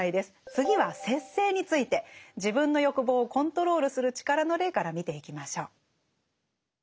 次は「節制」について自分の欲望をコントロールする力の例から見ていきましょう。